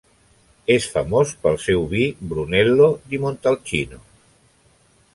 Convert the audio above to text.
És famós pel seu vi Brunello di Montalcino.